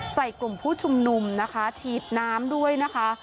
ใส่กลุ่มผู้ชุมนุมชีบน้ำด้วยนะคะ